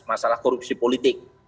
masalah korupsi politik